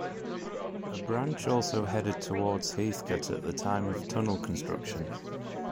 A branch also headed towards Heathcote at the time of tunnel construction.